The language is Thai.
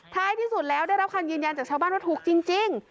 ท้ายที่สุดแล้วได้รับคำยืนยันจากชาวบ้านว่าถูกจริง